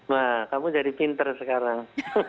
wah kamu jadi pinter sekarang